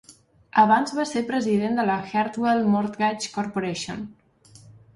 Abans va se president de la Heartwell Mortgage Corporation.